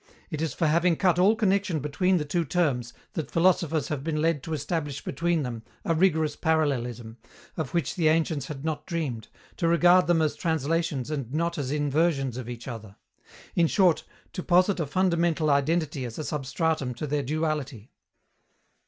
It is for having cut all connection between the two terms that philosophers have been led to establish between them a rigorous parallelism, of which the ancients had not dreamed, to regard them as translations and not as inversions of each other; in short, to posit a fundamental identity as a substratum to their duality.